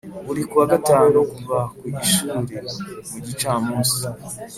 Buri kuwa gatatu tuva ku ishuli mu gicamunsi